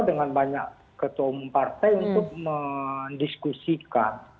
dengan banyak ketua umum partai untuk mendiskusikan